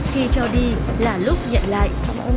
khi cho đi là lúc nhận lại